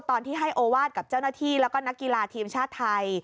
ตอนที่ให้โอวาสกับเจ้าหน้าที่แล้วก็นักกีฬาทีมชาติไทย